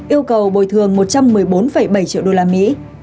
yêu cầu bồi thường một trăm một mươi bốn bảy triệu đô la mỹ